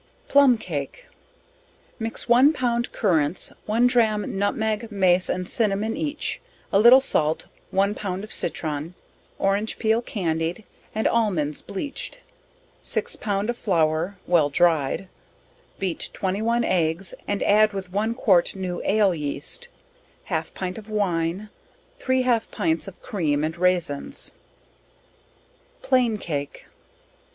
Plumb Cake. Mix one pound currants, one drachm nutmeg, mace and cinnamon each, a little salt, one pound of citron, orange peal candied, and almonds bleach'd, 6 pound of flour, (well dry'd) beat 21 eggs, and add with 1 quart new ale yeast, half pint of wine, 3 half pints of cream and raisins, q: s: Plain Cake.